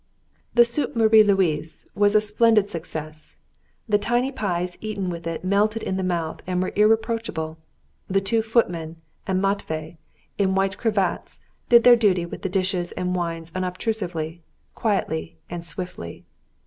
The soupe Marie Louise was a splendid success; the tiny pies eaten with it melted in the mouth and were irreproachable. The two footmen and Matvey, in white cravats, did their duty with the dishes and wines unobtrusively, quietly, and swiftly.